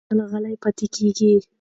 هغه تل غلې پاتې کېږي.